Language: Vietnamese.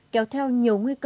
kéo theo nhiều nguy cơ